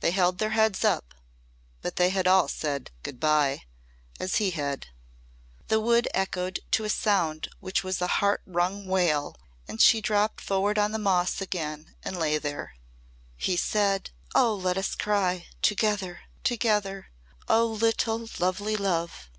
They held their heads up but they had all said 'Good bye' as he had." The Wood echoed to a sound which was a heart wrung wail and she dropped forward on the moss again and lay there. "He said, 'Oh, let us cry together together! Oh little lovely love'!"